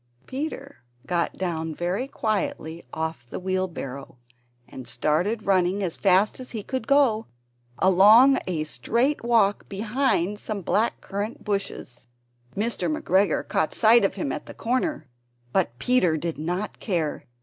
Peter got down very quietly off the wheelbarrow, and started running as fast as he could go, along a straight walk behind some black currant bushes. Mr. McGregor caught sight of him at the corner, but Peter did not care.